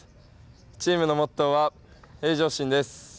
チームのモットーは、平常心です。